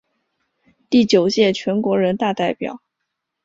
第九届全国人大代表。